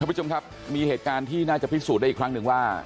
ผู้ชมครับมีเหตุการณ์ที่น่าจะพิสูจน์ได้อีกครั้งหนึ่งว่า